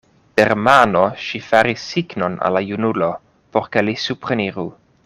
Per mano ŝi faris signon al la junulo, por ke li supreniru.